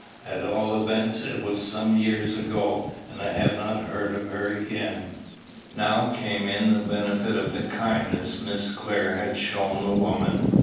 At all events, it was some years ago, and I have not heard of her again." Now came in the benefit of the kindness Miss Clare had shown the woman.